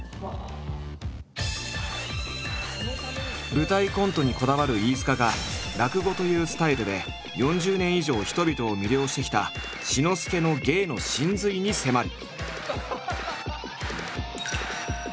舞台コントにこだわる飯塚が落語というスタイルで４０年以上人々を魅了してきた志の輔の芸の神髄に迫る！